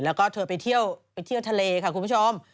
แล้วก็เธอไปเที่ยวไปเที่ยวทะเลค่ะคุณผู้ชม